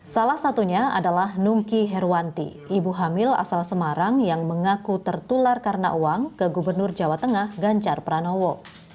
salah satunya adalah nungki herwanti ibu hamil asal semarang yang mengaku tertular karena uang ke gubernur jawa tengah ganjar pranowo